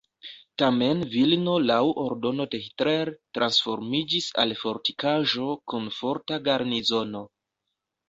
Tamen Vilno laŭ ordono de Hitler transformiĝis al fortikaĵo kun forta garnizono.